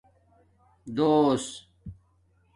دُوس